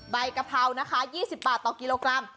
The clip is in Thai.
กะเพรานะคะ๒๐บาทต่อกิโลกรัม